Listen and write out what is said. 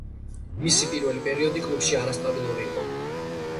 მისი პირველი პერიოდი კლუბში არასტაბილური იყო.